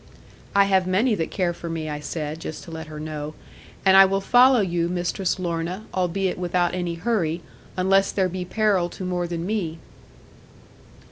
'I have many that care for me,' I said, just to let her know; 'and I will follow you, Mistress Lorna, albeit without any hurry, unless there be peril to more than me.'